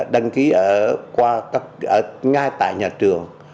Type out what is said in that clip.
đăng ký ngay tại nhà trường